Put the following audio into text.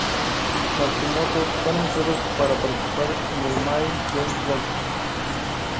Matsumoto fue anunciado para participar en el Mae Young Classic.